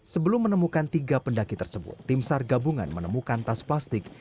sebelum menemukan tiga pendaki tersebut tim sar gabungan menemukan tas plastik